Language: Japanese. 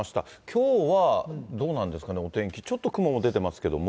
きょうはどうなんですかね、お天気、ちょっと雲も出てますけども。